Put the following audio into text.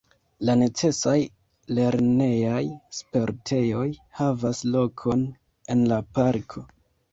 La necesaj lernejaj sportejoj havas lokon en la parko.